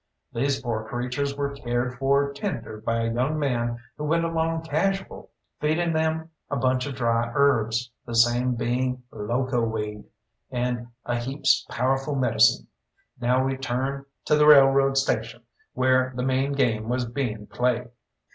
These poor creatures were cared for tender by a young man who went along casual, feeding them each a bunch of dry herbs, the same being loco weed, and a heaps powerful medicine. Now we turn to the railroad station, where the main game was being played.